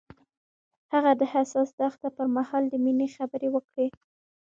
هغه د حساس دښته پر مهال د مینې خبرې وکړې.